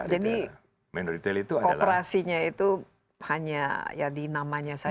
jadi kooperasinya itu hanya ya di namanya saja